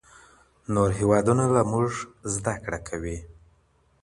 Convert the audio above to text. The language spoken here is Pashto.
نور هېوادونه له موږ زده کړه کوي.